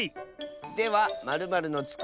では○○のつく